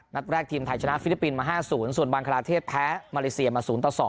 นัดแรกทีมไทยชนะฟิลิปปินส์มา๕๐ส่วนบังคลาเทศแพ้มาเลเซียมา๐ต่อ๒